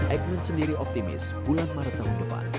eijkman sendiri optimis bulan maret tahun depan